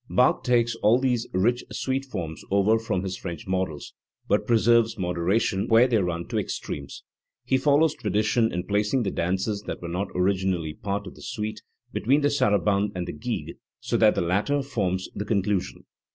Bach takes all these rich suite forms over from his French models, but preserves moderation where they run to extremes*. He follows tradition in placing the dances that were not originally part of the suite between the sara bande and the gigue, so that the latter forms the con clusion.